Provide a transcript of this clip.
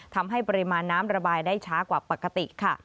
ทำให้ปริมาณน้ำระบายได้ช้ากว่าปกติค่ะ